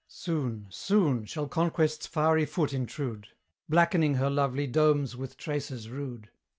Soon, soon shall Conquest's fiery foot intrude, Blackening her lovely domes with traces rude.